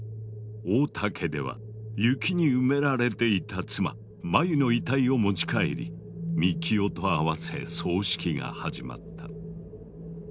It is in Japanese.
太田家では雪に埋められていた妻・マユの遺体を持ち帰り幹雄とあわせ葬式が始まった。